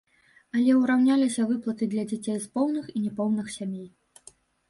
Але ўраўняліся выплаты для дзяцей з поўных і няпоўных сямей.